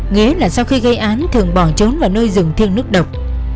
nghĩa là sau khi gây án thường bỏ trốn vào nơi rừng thiêng nước độc